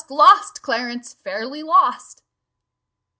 lost! Clarence fairly lost."